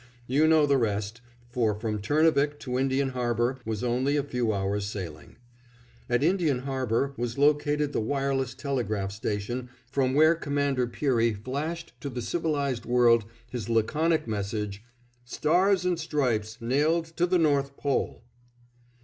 You know the rest, for from Turnavik to Indian Harbor was only a few hours' sailing. At Indian Harbor was located the wireless telegraph station from where Commander Peary flashed to the civilized world his laconic message, "Stars and Stripes nailed to the North Pole."